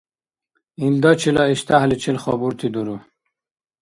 Илдачила иштяхӀличил хабурти дуру.